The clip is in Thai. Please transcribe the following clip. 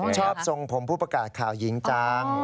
ชอบทรงผมผู้ประกาศข่าวหญิงจัง